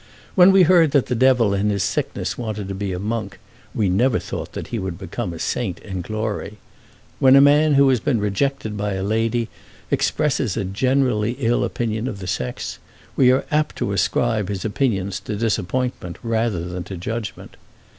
When we heard that the Devil in his sickness wanted to be a monk, we never thought that he would become a saint in glory. When a man who has been rejected by a lady expresses a generally ill opinion of the sex, we are apt to ascribe his opinions to disappointment rather than to judgment.